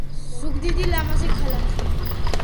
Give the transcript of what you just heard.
ზუგდიდი ლამაზი ქალაქია